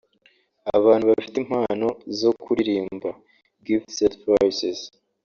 Abantu bafite impano zo kuririmba (Gifted voices)